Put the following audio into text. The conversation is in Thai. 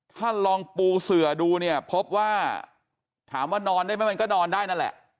ถ้าลองปูเสือดูเนี่ยพบว่าถามว่านอนได้ไหมมันก็นอนได้นั่นแหละ